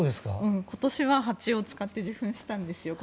今年はハチを使って受粉したんですよと